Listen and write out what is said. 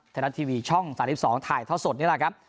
ธนัดทีวีช่องสถานที่๒๒ถ่ายเท่าสดนี่แหละครับ